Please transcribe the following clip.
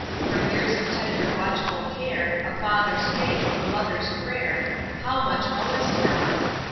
For years of tender, watchful care, A father's faith, a mother's prayer How much owest thou?